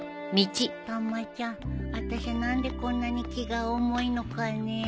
たまちゃんわたしゃ何でこんなに気が重いのかね。